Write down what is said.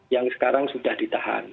yang sekarang sudah ditahan